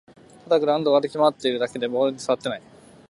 ただグラウンドを歩き回ってるだけでボールにさわっていない